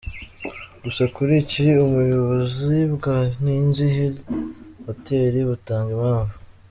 Gusa kuri iki, Ubuyobozi bwa Ninzi Hill Hotel butanga impamvu.